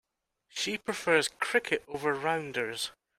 She prefers cricket over rounders.